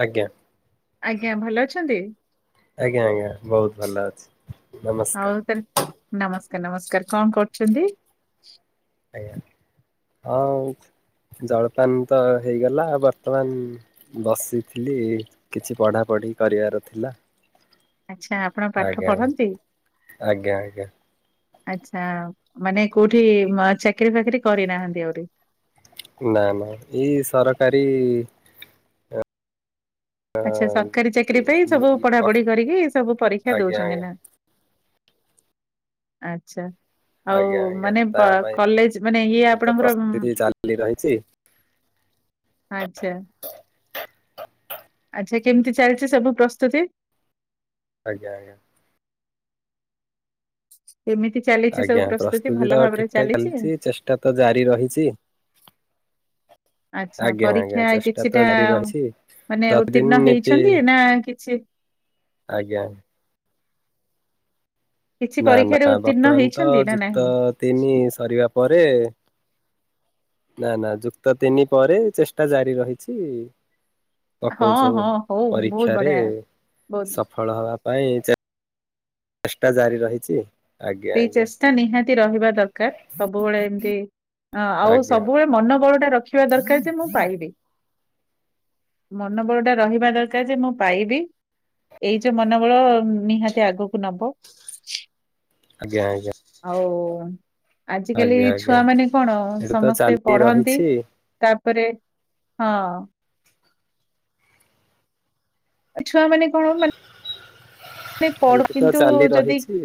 ଆଜ୍ଞା ଆଜ୍ଞା ଭଲ ଅଛନ୍ତି? ଆଜ୍ଞା, ଆଜ୍ଞା ବହୁତ ଭଲ ଅଛି। ନମସ୍କାର ହଉ ତାନ୍ ନମସ୍କାର ନମସ୍କାର କଣ କରୁଛନ୍ତି? ଆଜ୍ଞା ଅଉ ଜଳପାନ ତ ହେଇଗଲା। ବର୍ତ୍ତମାନ ବସିଥିଲି କିଛି ପଢାପଢ ଢ଼ି କରିବାର ଥିଲା। ଆଚ୍ଛା ଆପଣ ପାଠ ଆଜ୍ଞା ଆଜ୍ଞା ପଢ଼ନ୍ତି? ଆଜ୍ଞା ଆଜ୍ଞା ଆଛା ମାନେ କୋଉଠି ମ-ଚାକିରି ଫାକିରି କରିନାହାନ୍ତି ଆଉରି? ନା ନା ଏଇ ସରକାରୀ ଅ ଆଚ୍ଛା ସରକାରୀ ଚାକିରି ପାଇଁ ସବୁ ଆଜ୍ଞା ପଢାପଢି କରିକି ସବୁ ପରୀକ୍ଷା ଆଜ୍ଞା ଦଉଛନ୍ତି ନା? ଆଚ୍ଛା। ଆଉ ଆଜ୍ଞା ଆଜ୍ଞା ମାନେ ତା ବା ପାଇଁ କଲେଜ ମାନେ ଇଏ ତ ଆପଣଙ୍କର ଉଁ ପ୍ରସ୍ତୁତି ଚାଲି ରହିଛି ଆଚ୍ଛା। ଆଜି କେମିତି ଚାଲିଛି ସବୁ ପ୍ରସ୍ତୁତି? ଆଜ୍ଞା ଆଜ୍ଞା। କେମିତି ଚାଲିଛି ସବୁ ଆଜ୍ଞା ପ୍ରସ୍ତୁତି ଭଲ ତ ଭାବରେ ଠିକଠାକ ଚାଲିଛି ଚେଷ୍ଟା ତ ଜାରି ରହିଛି ଆଛା ଆଜ୍ଞା ଆଜ୍ଞା ପରୀକ୍ଷା ଚେଷ୍ଟା ତ କିଛିଟା ଜାରି ରହିଛି ମାନେ ପ୍ରତିଦିନ ଉତ୍ତୀର୍ଣ୍ଣ ହେଇଛନ୍ତି ନା [unintelligible] ସେ ଆଜ୍ଞାା। କିଛି ନା ପରୀକ୍ଷାରେ ନା ଉତ୍ତୀର୍ଣ୍ଣ ବର୍ତ୍ତମାନ ତ ହେଇଛନ୍ତି ନା ନାହିଁ? ଯୁକ୍ତ ତିନି ସରିବା ପରେ ନା ନା ଯୁକ୍ତ ତିନି ପରେ ଚେଷ୍ଟା ଜାରି ରହିଛି। ହଁ ପକଉଛୁ ହଁ ହଉ ବହୁତ ପରୀକ୍ଷାରେ ବଢିଆ ବହୁତ ସଫଳ ହବା ପାଇଁ ଚେଷ୍ଟା ଜାରି ରହିଛି। ଆଜ୍ଞା ସେଇ ଆଜ୍ଞା ଚେଷ୍ଟା ନିହାତି ରହିବା ଦରକାର ସବୁବେଳେ ଏମତି ଆଉ ଆଜ୍ଞା ସବୁବେଳେ ମନବଳ ଟା ରଖିବା ଦରକାର ଯେ ମୁଁ ପାଇବି ମନ ବଳ ଟା ରହିବା ଦରକାର ଯେ ମୁଁ ପାଇବି ଏଇ ଯୋଉ ମନବଳ ନିହାତି ଆଗକୁ ନବ। ଆଜ୍ଞା। ଆଜ୍ଞା। ଆଉ ଆଜିକାଲି ଆଜ୍ଞା ଆଜ୍ଞା ଛୁଆ ମାନେ କଣ ଏଇଟା ତ ସମସ୍ତେ ଚାଲି ପଢନ୍ତି ରହିଛି ତା ପରେ ହଁ ଛୁଆ ମାନେ କଣ ହ ମାନେ ପଢ ଏମିତି ତ କିନ୍ତୁ ଚାଲି ଯଦି ରହିଛି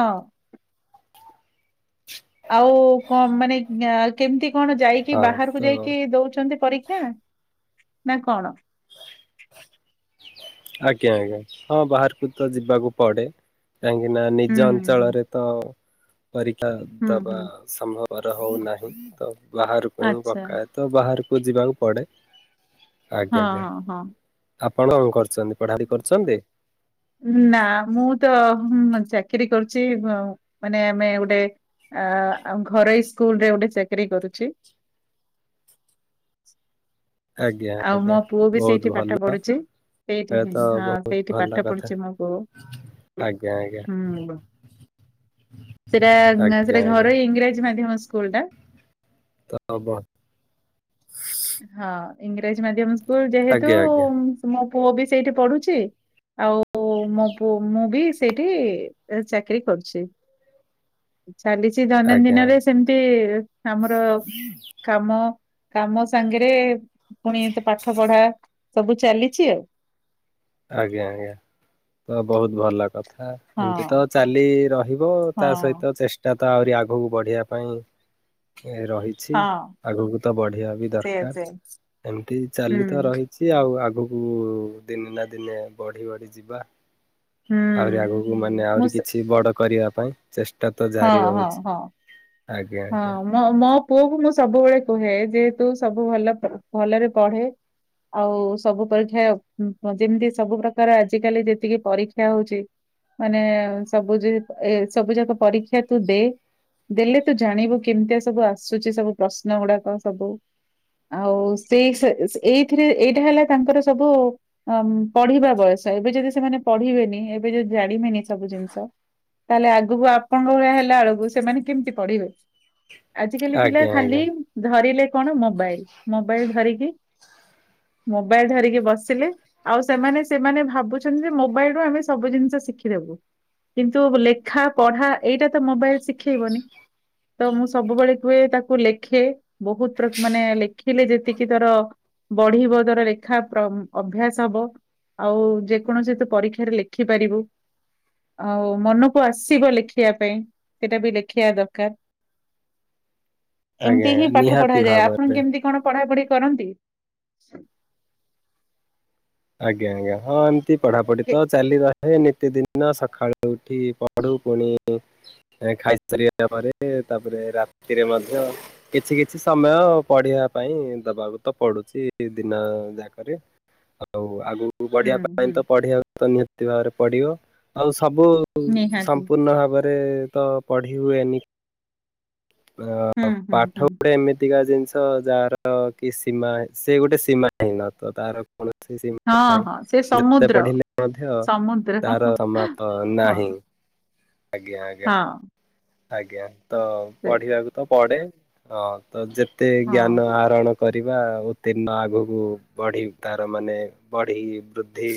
ହଁ। ଆଉ କଣ ମାନେ [unintelligible] ନ୍ୟୟ କେମିତି? କଣ ଯାଇକି ହଁ ତ ବାହାରକୁ ଯାଇକି ଦଉଛନ୍ତି ପରୀକ୍ଷା? ନା କଣ। ଆଜ୍ଞା ଆଜ୍ଞା ହଁ ବାହାରକୁ ତ ଯିବାକୁ ପଡେ କାହିଁକି ନା ହୁଁ ନିଜ ହୁଁ ଅଞ୍ଚଳରେ ତ ପରୀକ୍ଷା ହୁଁ ଦବା ହୁଁ ହୁଁ ସମ୍ଭବପର ହଉନାହିଁ ତ ବାହାରକୁ ହିଁ ଆଚ୍ଛା ପକାଏ ତ ବାହାରୁ କୁ ଯିବାକୁ ପଡ଼େ ହଁ ହଁ ହଁ। ଆପଣ ଙ୍କର ନାଁ ମୁଁ ତ। [unintelligible] ଚାକିରି କରୁଛି ମାନେ ଆମେ ଗୋଟେ ଅ ଘରୋଇ ସ୍କୁଲ ରେ ଗୋଟେ ଚାକିରୀ କରୁ [unintelligible] ଆ ଯି ଆଜ୍ଞା ଆଜ୍ଞା ବହୁତ ଭଲ। ପଢୁଛି। ସେଇଠି ଏଇ ହିଁ ତ ହଁ ବହୁତ ସେଇଠି ପାଠ ଭଲ କଥା ପଢୁଛି ମୋ ପୁଅ ଆଜ୍ଞା ଆଜ୍ଞା। ହୁଁ। ସେଟା ସେଟା ଆଜ୍ଞା ଆଜ୍ଞା ଘରୋଇ ଇଂରାଜୀ ମାଧ୍ୟମ ସ୍କୁଲ ଟା ହଁ [unintelligible] ଇଂରାଜୀ ମାଧ୍ୟମ ସ୍କୁଲ ଯେହେତୁ ଆଜ୍ଞା ଆଜ୍ଞା ମୋ ପୁଅ ବି ସେଇଠି ପଢୁଛି ଆଉ ଓ ମୋ ପୁ ମୁଁ ବି ସେଇଠି ଚାକିରୀ କରୁଛି ଚାଲିଛି ଆଜ୍ଞା ଦୈନନ୍ଦିନରେ ସେମିତି ଆମର କାମ କାମ ସାଙ୍ଗେରେ ପୁଣି ଏତେ ପାଠ ପଢା ସବୁ ଚାଲିଛି ଆଉ। ଆଜ୍ଞା ଆଜ୍ଞା ତ ବୋହୁତ ଭଲ କଥା ଏମତି ତ ହଁ ଚାଲି ରହିବ ତା ହଁ ସହିତ ଚେଷ୍ଟା ତ ଆହୁରି ଆଗୁକୁ ବଢେଇିବା ପାଇଁ ରହିଛି ହଁ ଆଗକୁ ତ ବଢ଼ିବା ବି ସେୟା ଦରକାର ସେୟା ଏମିତିନ୍ ହୁଁ ଚାଲି ତ ରହିଛି ଆଉ ଆଗ ଆଗକୁ ଦିନେ ନା ଦିନେ ବଢି ବଢି ଯିବା ଆହୁରି ହୁଁ ଆଗକୁ ମାନେ ମୁଁ ଆହୁରି ସେ କିଛି ବଡ କରିବା ପାଇଁ ଚେଷ୍ଟା ତ ହଁ ଜାରି ହଁ ରହୁଛି ହଁ। ଆଜ୍ଞା ହଁ ଆଜ୍ଞା ମ ମୋ ପୁଅ କ ମୁଁ ସବୁବେଳେ କୁହେ ଯେ ତୁ ସବୁ ଭଲ କ ଭଲରେ ପଢେ। ଆଉ ସବୁ ପରୀକ୍ଷା ଯେମିତି ସବୁ ପ୍ରକାର ଆଜିକାଲି ଯେତିକି ପରୀକ୍ଷା ହଉଛି। ମାନେ ସବୁ ଯା ଏ ସବୁ ଯାକ ପରୀକ୍ଷା ତୁ ଦେ ଦେଲେ ତୁ ଜାଣିବୁ କେମିତିଆ ସବୁ ଆସୁଛି ସବୁ ପ୍ରଶ୍ନ ଗୁଡାକ ସବୁ। ଆଉ ସେଇ ସେ ସେ ଏଇଥିରେ ଏଇଟା ହେଲା ତାଙ୍କର ସବୁ ଉଁ ପଢିବା ବୟସ। ଏବେ ଯଦି ସେମାନେ ପଢିବେନି ଏବେ ଯଦି ଜାଣିବେନି ସବୁ ଜିନିଷ। ତାହେଲେ ଆଗକୁ ଆପଣଙ୍କ ଭଳିଆ ହେଲା ବେଳକୁ ସେମାନେ କେମିତି। ପଢିବେ ଆଜିକାଲି ପିଲା ଆଜ୍ଞା ଖାଲି ଆଜ୍ଞା। ଧରିଲେ କଣ ମୋବାଇଲ ମୋବାଇଲ ଧରିକି ମୋବାଇଲ ଧରିକି ବସିଲେ ଆଉ ସେମାନେ ସେମାନେ ଭାବୁଛନ୍ତି ଯେ ମୋବାଇଲରୁ ଆମେ ସବୁ ଜିନିଷ ଶିଖିଦବୁ କିନ୍ତୁ ଲେଖା ପଢା ଏଇଟା ତ ମୋବାଇଲ ଶିଖେଇବନି। ତ ମୁଁ ସବୁବେଳେ କୁହେ ତାକୁ ଲେଖେ ବହୁତ ପ୍ରକ ମାନେ ଲେଖିଲେ ଯେତିକି ତୋର ବଢିବ ଦର ରେଖା ଅଭ୍ୟାସ ହବ। ଆଉ ଯେକୌଣସି ତୁ ପରୀକ୍ଷାରେ ଲେଖିପାରିବୁ। ଆଉ ମନକୁ ଆସିବ ଲେଖିବା ପାଇଁ ସେଇଟା ବି ଲେଖିବା ଦ କାର ଆଜ୍ଞା ଏମତି ହିଁ ଆଜ୍ଞା ପାଠ ପଢା ନିହାତି ଯାଏ ଆପଣଙ୍କୁ ଭାବରେ କେମତି କଣ ପଢା ପଢି କରନ୍ତି। ଆଜ୍ଞା ଆଜ୍ଞା ହଁ ଏମିତି ପଢାପଢି ତ କେ- ଚାଲି ସେ ନିତିଦିନ ସକାଳୁ ଉଠି ପଢୁ ପୁଣି ଖାଇସାରିବା ପରେ ତାପରେ ରାତିରେ ମଧ୍ୟ କିଛି କିଛି ସମୟ ପଢିବା ପାଇଁ ଦବାକୁ ତ ପଡୁଛି। ଦି ଦିନ ଯାହା କରିବେ। ହ [inaudible] ଆଉ ଆଗକୁ ବଢିବା ପାଇଁ ତ ପଢିବା ତ ନିହାତି ଭାବରେ ପଢିବ ଆଉ ସ ସବୁ ନିହାତି ସମ୍ପୂର୍ଣ୍ଣ ଭାବରେ ତ ପଢ଼ି ହୁଏନି। ହୁଁ ଅ ହୁଁ ପାଠ ହୁଁ ଗୁଡା ଏମିତିକା ଯେ ଜିନଷ ଯାହାର କି ସୀମା ସେ ଗୋଟେ ସୀମା ହିନ ତ ତାର କୌଣସି ସୀମା ହଁ ହଁ ସେ ନାହିଁ ଯେତେ ସମୁଦ୍ର ପଢିଲେ ମଧ୍ୟ ସମୁଦ୍ର ତାର ସମାପ୍ତ ହଁ ନାହିଁ। [inaudible] ଆଜ୍ଞା ଆଜ୍ଞା ହଁ ଆଜ୍ଞା ତ ସେ ପଢିବାକୁ ତ ପଡେ। ହଁ ତ ଯେତେ ହଁ ଜ୍ଞାନ ଆହରଣ କରିବା ଉତ୍ତୀର୍ଣ୍ଣ ଆଗକୁ ବଢି ତାର ମାନେ ବଢି ବୃଦ୍ଧି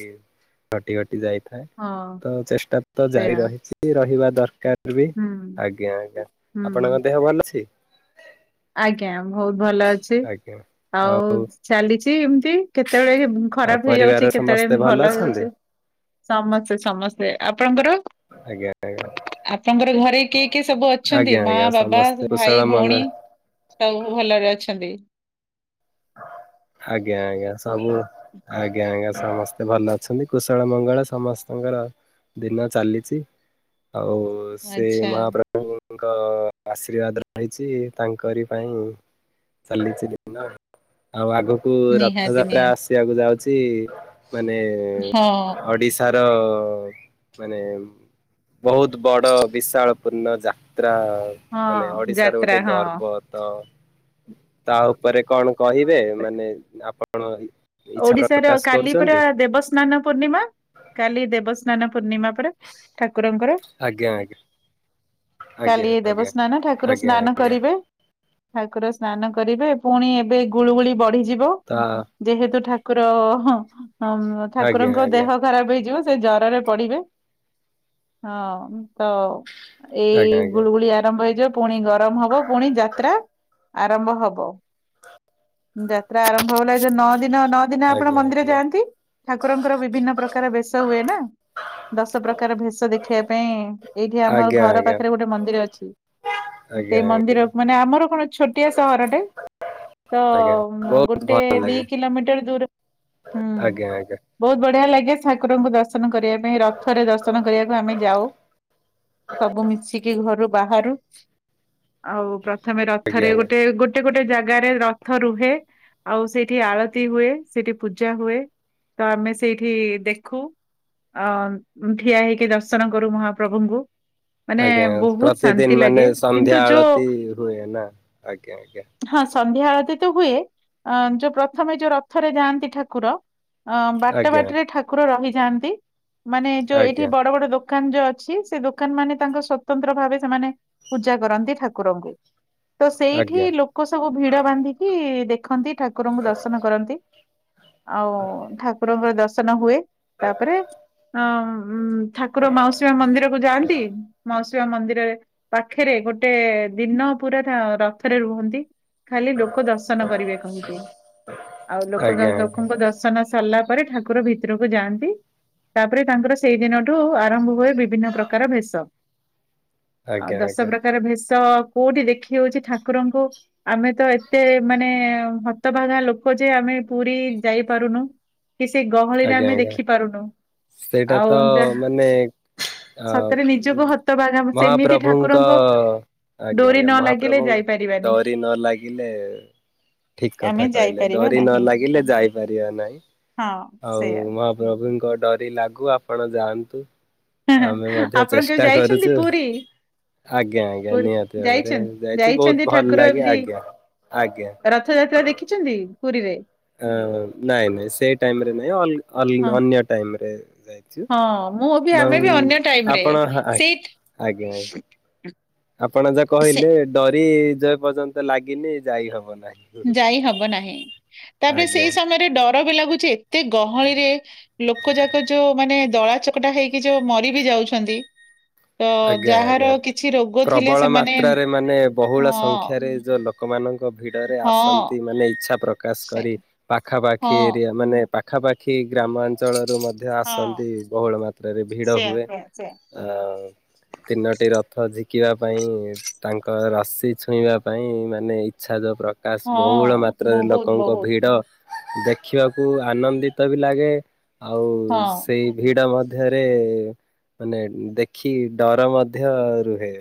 ଘଟି ଘଟି ଯାଇ ଥାଏ ହଁ ତ ଚେଷ୍ଟା ତ ଜାରି ସେୟା ରହିଛି ରହିବା ଦରକାର ବି। ହୁଁ ଆଜ୍ଞା ଆଜ୍ଞା ଆପଣଙ୍କ ହୁଁ ଦେହ ଭଲ ଅଛି? ଆଜ୍ଞା ବହୁତ ଭଲ ଅଛି ଆଜ୍ଞା। ଆଉ ଚାଲିଛି ଏମତି କେତେ କେତେବେଳେ ଆଉ ଖରାପ ପରିବାର ହେଇଯାଉଛି ସମସ୍ତେ କେତେବେଳେ ଭଲ ଅଛନ୍ତି ହେଇଯାଉଛି। ସମସ୍ତେ ସମସ୍ତେ ଆପଣଙ୍କର? ଆଜ୍ଞା ଆଜ୍ଞା। ଆପଣଙ୍କର ଘରେ କିଏ କିଏ ସବୁ ଅଛନ୍ତି ମା ଆଜ୍ଞା ବାବା ସମସ୍ତେ କୁଶଳ ଭାଇ ଭଉଣୀ? ମଙ୍ଗଳ ସବୁ ଭଲରେ ଅଛନ୍ତି। [inaudible] ଆଜ୍ଞା ଆଜ୍ଞା ସବୁ ଆଜ୍ଞା ଆଜ୍ଞା ସମସ୍ତେ ଭଲ ଅଛନ୍ତି କୁଶଳ ମଙ୍ଗଳ ସମସ୍ତଙ୍କର। ଦିନ ଚାଲିଛି ଆଉ ସେ ଆଚ୍ଛା ମହାପ୍ରଭୁଙ୍କୁ ଙ୍କ ଆଶୀର୍ବାଦ ରହିଛି ତାଙ୍କରି ପାଇଁ ଚାଲିଛି ଦିନ। ଆଉ ଆଗକୁ ନିହାତି ରଥଯାତ୍ରା ନିହାତି ଆସିବାକୁ ଯାଉଛି। ମାନେ ହଁ ଓଡିଶା ମାନେ ବହୁତ ବଡ ବିଶାଳ ପୂର୍ଣ୍ଣ ଯା ମାନେ ହଁ ଓଡିଶାର ଗୋଟେ ଯାତ୍ରା ହଁ ଗର୍ବ ତ ତା ଉପରେ କଣ କହିବେ ମାନେ ଆପଣ ଇଚ୍ଛା ଓଡିଶାର ପ୍ରକାଶ କାଲି ପୁରା କରୁଛନ୍ତି? ଦେବସ୍ନାନ ପୂର୍ଣ୍ଣିମା କାଲି ଦେବସ୍ନାନ ପୂର୍ଣ୍ଣିମା ପରେ ଠାକୁ ଆଜ୍ଞା ଆଜ୍ଞା। ଆଜ୍ଞା କାଲି ଆଜ୍ଞା ଦେବସ୍ନାନ ଠାକୁର ଆଜ୍ଞା ସ୍ନାନ ଆଜ୍ଞା କରିବେ। ଠାକୁର ସ୍ନାନ କରିବେ ପୁଣି ଏବେ ଗୁଳୁଗୁଳି ବଢିଯିବ ତ ଯେହେତୁ ଠାକୁର ଆଜ୍ଞା ଠାକୁରଙ୍କ ଆଜ୍ଞା ଦେହ ଖରାପ ହେଇଯିବ। ସେ ଜରରେ ପଡିବେ ହଁ ତ। ଆଜ୍ଞା ଏଇ ଗୁଳୁଗୁଳି ଆରମ୍ଭ ହେଇଯିବ। ପୁଣି ଗରମ ହବ ପୁଣି ଯାତ୍ରା ଆରମ୍ଭ ହବ ଯା ଆର୍ମଭ ହେଲା ନଅିନ। ଦିନ ନଅ ଦିନ ଆପଣ ଆଜ୍ଞା ମନ୍ଦିର ଆଜ୍ଞା ଯାଆନ୍ତି ଠାକୁରଙ୍କର ବିଭିନ୍ନ ପ୍ରକାର ବେଶ ହୁଏ ନା। ଦଶ ପ୍ରକାର ଭେଷ ଦେଖିବା ପାଇଁ ଏଇଠି ଆମର ଆଜ୍ଞା ଆଜ୍ଞା ଘର ଆଜ୍ଞା ପାଖରେ ଗୋଟେ ମନ୍ଦିର ଅଛି। ସେ ଆଜ୍ଞା ମନ୍ଦିରକୁ ମାନେ ଆମର କଣ ଛୋଟିଆ ସହରଟେ। ତ ଆଜ୍ଞା ବହୁତ ଗୋଟେ ଭଲ ଦି ଲାଗେ କିଲୋମିଟର ଦୂର। ହୁଁ ଆଜ୍ଞା ଆଜ୍ଞା ବହୁତ୍ ବଢିଆ ଲାଗେ ଠାକୁରଙ୍କୁ ଦର୍ଶନ କରିବା ପାଇଁ ରଥରେ ଦର୍ଶନ କରିବା ପାଇଁ ଆମେ ଯାଉ ସବୁ ମିଶିକି ଘରୁ ବାହାରୁ ଆଉ। ପ୍ରଥମେ ଆଜ୍ଞା ରଥରେ ଗୋଟେ ଗୋଟେ ଗୋଟେ ଜାଗାରେ ରଥ ରୁହେ ଆଉ ସେଇ ସେଇଠି ଆଳତି ହୁଏ ସେଇଠି ପୂଜା ହୁଏ ତ ଆମେ ସେଇଠି ଦେଖୁ। ଅ ଠିଆ ହେଇକି ଦର୍ଶନ କରୁ ମହାପ୍ରଭୁଙ୍କୁ। ମାନେ ଆଜ୍ଞା ଆଜ୍ଞା ବହୁତ ପ୍ରତିଦିନ ଶାନ୍ତି ମାନେ ଲାଗେ ସନ୍ଧ୍ୟା କିନ୍ତୁ ଯୋଉ ଆଳତି ହୁଏ ନା ଆଜ୍ଞା ଆଜ୍ଞା ହଁ। ସନ୍ଧ୍ୟା ଆଳତ ତ ହୁଏ ଯୋଉ ପ୍ରଥମେ ଯୋଉ ରଥରେ ଯାଆନ୍ତି ଠାକୁର। ଅ ବାଟ ଆଜ୍ଞା ବାଟରେ ଠାକୁର ରହିଯାଆନ୍ତି ମାନେ ଯୋଉ ଏଇଠି ଆଜ୍ଞା ବଡ ବଡ ଦୋକ ଦୋକାନ ଯୋଉ ଅଛି ସେ ଦୋକାନ ମାନେ ତାଙ୍କ ସ୍ଵତନ୍ତ୍ର ଭାବେ ସେମାନେ ପୂଜା କରନ୍ତି ଠାକୁରଙ୍କୁ ତ ସେଇଠି ଆଜ୍ଞା ଲୋକ ସବୁ ଭିଡ଼ ବାନ୍ଧିକି ଦେଖନ୍ତି ଠାକୁ ଠାକୁରଙ୍କୁ ଦର୍ଶନ କରନ୍ତି ଆଉ ଠାକୁରଙ୍କର ଦର୍ଶନ ହୁଏ। ତାପରେ ଅ ଠାକୁର ମାଉସୀ ମା ମନ୍ଦିର କୁ ଯାଆନ୍ତି ମାଉସି ଶ ମନ୍ଦିରରେ ପାଖରେ ଗୋଟେ ଦିନ ପୁରା ରଥରେ ରୁହନ୍ତି। ଖାଲି ଲୋକ ଦର୍ଶନ କରିବେ କହିକି ଆଉ ଲୋକ ଆଜ୍ଞା ଆଜ୍ଞା ଲୋକଙ୍କୁ ଦର୍ଶନ ସରିଲା ପରେ ତାପରେ ଠାକୁର ଭିତରକୁ ଯାଆନ୍ତି। ତାପରେ ତାଙ୍କର ସେଇ ଦିନଠୁ ଆରମ୍ଭ ହୁଏ ବିଭିନ୍ନ ପ୍ରକାର ବେଶ। ଆଉ ଆଜ୍ଞା ଦଶ ଆଜ୍ଞା। ପ୍ରକାର ଭେଷ। ତ କୋଉଠି ଦେଖି ହଉଛି ଠାକୁରଙ୍କୁ ଆମେ ତ ଏତେ ମାନେ। ସତ ବାଘା ଲୋକ ଯେ ଆମେ ପୁରୀ ଯାଇପାରୁନୁ। କି ସେଇ ଗହଳିରେ ଆଜ୍ଞା ଆମେ ଆଜ୍ଞା ଦେଖି ପାରୁନୁ ସେଇଟା ଆଉ ତ ଯାହା। ମାନେ ଅ ସତରେ ନିଜକୁ ହତ ବାଘାମ ସେମିତି ମହାପ୍ରଭୁଙ୍କ ଠାକୁରଙ୍କ ଆଜ୍ଞା ଡୋରି ଆଜ୍ଞା ନ ଲାଗିଲେ ମହାପ୍ରଭୁ ଯାଇ। ଡରି ନ ଲାଗିଲେ ଠିକ୍। କଥା ଆମେ କହିଲେ ଯାଇପାରିବା ଡରି ନ ନାହିଁ ଲାଗିଲେ ଯାଇପାରିବା ନାହିଁ ହଁ ଆଉ ସେଇୟା ମହାପ୍ରଭୁଙ୍କ ଡରି ଲାଗୁ ଆପଣ ଯାଆନ୍ତୁ ଆମେ ମଧ୍ୟ ଆପଣ କେବେ ଚେଷ୍ଟା ଯାଇଛନ୍ତି କରୁଛୁ। ପୁରୀ ଆଜ୍ଞା ଆଜ୍ଞା ପୁରୀ ନିହାତି ଭାବରେ ଯାଇଛନ୍ତି ଯାଇଛୁ ଯାଇଛନ୍ତି ବହୁତ ଭଲ ଠାକୁର ଲାଗେ ଏମିତି ଆଜ୍ଞା। ଆଜ୍ଞା। ରଥଯାତ୍ରା ଦେଖିଛନ୍ତି। ପୁରୀରେ ଅଁ ନାଇଁ ନାଇଁ ସେଇ ଟାଇମରେ ନାଇଁ ହଁ ଅଲ ଅନ୍ୟ ଟାଇମରେ- ଯାଇଛୁ। ହଁ ମୁଁ ବି ଆମେ ବି ଅନ୍ୟ ଟାଇମରେ ଆପଣ ହା ଆଜ୍ଞା ସେଇ ଆଜ୍ଞା ଉଂ ଆପଣ ଯା କହିଲେ ଡରି ଯେ ପର୍ଯ୍ୟନ୍ତ ଲାଗିନି ଯାଇ ହବନି। ଯାଇ ହବ ନାହିଁ ତାପରେ ଆଜ୍ଞା ସେଇ ସମୟରେ ଡର ବି ଲାଗୁଛି ଏତେ ଗହଳିରେ ଲୋକ ଯାକ ଯୋଉ ମାନେ ଦଳା ଚକଟା ହେଇକି ଯୋଉ ମରି ବି ଯାଉଛନ୍ତି। ତ ଆଜ୍ଞା ଆଜ୍ଞା ଯାହାର କିଛି ରୋଗ ଥିଲେ ପ୍ରବଳ ସେମାନେ ମାତ୍ରାରେ ମାନେ ବହୁଳ ହଁ ସଂଖ୍ୟାରେ ଯୋଉ ଲୋକ ଲୋକମାନଙ୍କ ଭିଡ଼ରେ ଆସନ୍ତି ହଁ ମାନେ ଇଚ୍ଛା ପ୍ରକାଶ ସେ କରି ହଁ ପାଖାପାଖି ଏରିଆ ମାନେ। ପାଖାପାଖି ଗ୍ରାମାଞ୍ଚଳରୁ ମଧ୍ୟ ହଁ ଆସନ୍ତି ବହୁଳ ମାତ୍ରାରେ ଭିଡ଼ ସେୟା ହୁଏ ସେୟା ସେୟା ଆଉ ତିନୋଟି ରଥ ଝିକିବା ପାଇଁ ତାଙ୍କ ରଶି ଛୁଇଁବା ପାଇଁ ମାନେ ଇଚ୍ଛା ଯୋଉ ପ୍ର କାସ ବହୁଳ ହଁ ମାତ୍ରାରେ ବହୁତ ଲୋକଙ୍କ ବହୁତ ଭିଡ ଦେଖିବାକୁ ଆନନ୍ଦିତ ବି ଲାଗେ ଆଉ ହଁ ସେଇ ଭିଡ ମଧ ଧ୍ୟରେ ମାନେ ଦେଖି ଡର ମଧ୍ୟ ରୁହେ।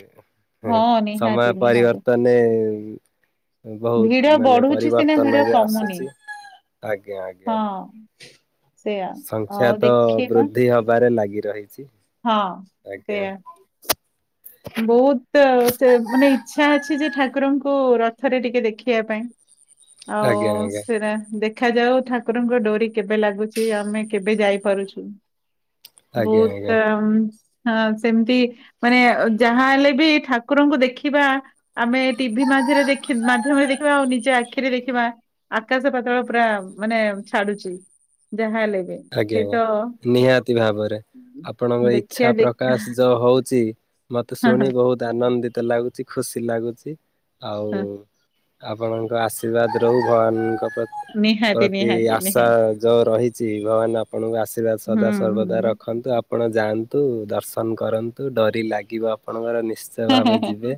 ହୁଁ ହଁ ସମୟ ନିହାତି ନିହାତି ପରିିବର୍ତ୍ତନେ ବହୁତ ଭିଡ ମାନେ ବଢୁଛି ସିନା ପରିବର୍ତ୍ତନ ଭିଡ ବି କମୁନି ଆସୁଛି। ଆଜ୍ଞା ଆଜ୍ଞା ହଁ ସେୟା ସଂଖ୍ୟା ହଉ ତ ଦେଖିବା ବୃଦ୍ଧି ହବାରେ ଲାଗ ଗି ରହିଛି। ହଁ। ଆଜ୍ଞା। ସେୟା ବହୁତ ଅ, ଚେ ମାନେ ଇଚ୍ଛା ଅଛି ଯେ ଠାକୁରଙ୍କୁ ରଥରେ ଟିକେ ଦେଖିବା ପାଇଁ ଆଜ୍ଞା ଆଉ ଆଜ୍ଞା ସେରା ଦେଖା ଦେଖାଯାଉ ଠାକୁରଙ୍କ ଡୋରି କେବେ ଲାଗୁଛି ଆମେ କେବେ ଯାଇପାରୁଛୁ! ଆଜ୍ଞା ବହୁତ ଆଜ୍ଞା। ଉଁ ହଁ ସେମିତି ମାନେ ଯାହା ହେଲେ ବି ଠାକୁରଙ୍କୁ ଦେଖିବା ଆମେ ଟିଭି ମାଧ୍ୟରେ ଦେଖି ମାଧ୍ୟମରେ ଦେଖିବା ଆଉ ନିଜ ଆ ଆଖିରେ ଦେଖିବା ଆକାଶ ପାତଳ ପୁରା ମାନେ ଛାଡୁଛି। ଯାହା ହେଲେ ବି ଆଜ୍ଞା ସେଇ ଆଜ୍ଞା ତ ନିହାତି ଭାବରେ। ଆପଣଙ୍କ ଦେଖିବା ଇଚ୍ଛା ଦେ ପ୍ରକାଶ ଯୋଉ ହଉଛି ମତେ ହଁ ହଁ ହଁ ଶୁଣି ବହୁତ ଆନନ୍ଦିତ ଲାଗୁଛି ଖୁସି ଲାଗୁଛି ଆଉ ଆପଣଙ୍କ ଆଶୀର୍ବାଦ ରହୁ ଭଗବାନଙ୍କ ପ୍ର ନିହାତି ପ୍ରତି ନିହାତି ଆଶା ନିହାତି ଯୋଉ ରହିଛି ଭଗବାନ ଆପଣଙ୍କୁ ଆଶୀର୍ବାଦ ହୁଁ ସଦା ସର୍ବଦା ହୁଁ। ରଖନ୍ତୁ ଆପଣ ଯାଆ ନ୍ତୁ ଦର୍ଶନ କରନ୍ତୁ ଡୋରି ଲାଗିବ ଆପଣଙ୍କର ନିଶ୍ଚୟ ଭାବେ ଯିବେ।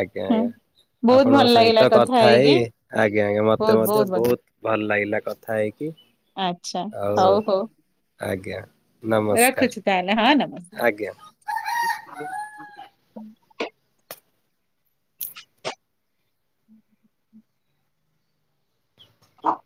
ଆଜ୍ଞା ଆଜ୍ଞା। ବହୁତ ଭଲ ଆପଣଙ୍କ ସହିତ ଲାଗିଲା କଥା ହେଇ ହେଇକି ଆଜ୍ଞା ଆଜ୍ଞା ମତେ ବହୁତ ମଧ୍ୟ ଭଲ ବହୁତ ଭଲ ଲାଗିଲ୍ ଲା କଥା ହେଇକି। ଆଚ୍ଛା ଆଉ ହଉ ହଉ। ଆଜ୍ଞା। ନମସ୍କାର ରଖୁଛି ତାହା ହେଲେ ହଁ ଆଜ୍ଞା। ନମସ୍କାର। ହୁଁ। ହଁ ହଁ